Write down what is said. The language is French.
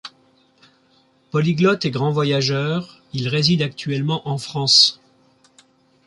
Polyglotte et grand voyageur, il réside actuellement en France.